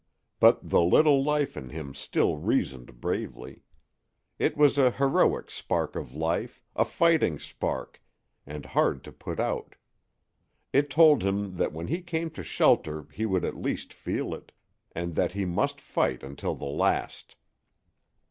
But the little life in him still reasoned bravely. It was a heroic spark of life, a fighting spark, and hard to put out. It told him that when he came to shelter he would at least feel it, and that he must fight until the last.